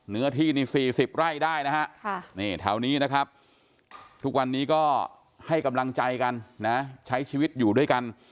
เนื้อที่นี่๔๐ไร่ได้นะฮะ